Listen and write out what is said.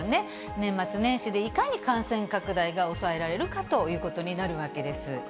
年末年始でいかに感染拡大が抑えられるかということになるわけです。